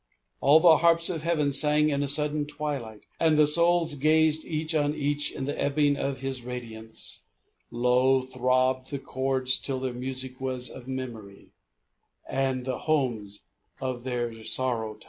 All the harps of Heaven sang in a sudden twilight, And the souls gazed each on each in the ebbing of His radiance; Low throbbed the chords till their music was of memory And the homes of theirs sorrow time.